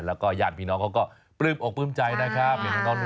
สามเณรขี้น้องก็ปลื้มอกพลึมใจนะครับ